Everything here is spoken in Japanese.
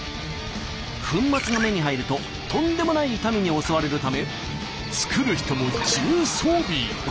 粉末が目に入るととんでもない痛みに襲われるため作る人も重装備。